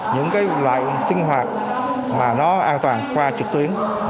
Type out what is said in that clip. những loại sinh hoạt mà nó an toàn qua trực tuyến